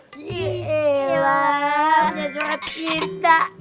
si ewa punya surat cinta